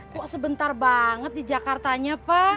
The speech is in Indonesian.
kok sebentar banget di jakartanya pak